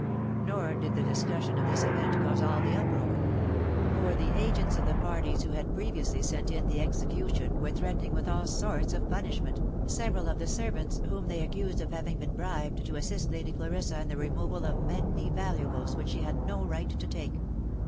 Nor did the discussion of this event cause all the up roar ; for the agents of the parties who had previously sent in the ex ecution were threatening with all sorts of punishment, several of the servants, whom they accused of having been bribed to assist Lady Clarissa in the removal of many valuables which she had no right to take.